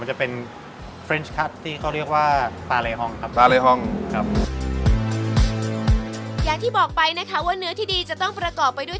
เห็นเขาว่าอย่างนั้นครับ